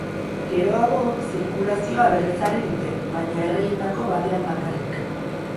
Geroago, zirkulazioa berrezarri dute, baina erreietako batean bakarrik.